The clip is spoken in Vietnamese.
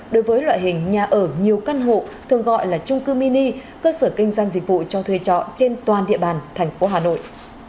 đối với loại hình nhà ở nhiều căn hộ thường gọi là trung cư mini cơ sở kinh doanh dịch vụ cho thuê trọ trên toàn địa bàn thành phố hà nội